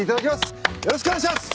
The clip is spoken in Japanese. よろしくお願いします。